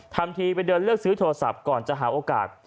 ทำทีไปเดินเลือกซื้อโทรศัพท์ก่อนจะหาโอกาส